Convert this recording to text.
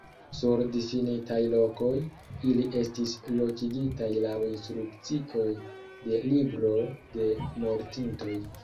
Sur difinitaj lokoj ili estis lokigitaj laŭ instrukcioj de libro de mortintoj.